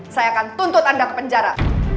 saya akan tuntut anda ke penjara